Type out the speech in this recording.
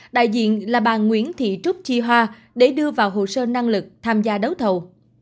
đại diện là bà nguyễn thị trúc chi hoa để đưa vào hồ sơ năng lực tham gia đấu thầu